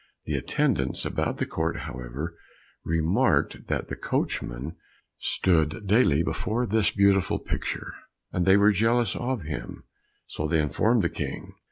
The attendants about the court, however, remarked that the coachman stood daily before this beautiful picture, and they were jealous of him, so they informed the King.